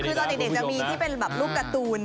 คือตอนเด็กจะมีที่เป็นแบบรูปการ์ตูน